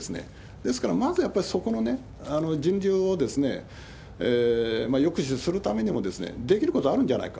ですからまずやっぱり、そこの人流を抑止するためにも、できることはあるんじゃないか。